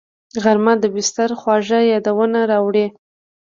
غرمه د بستر خواږه یادونه راوړي